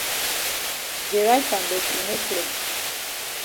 Dey write am but e no clear.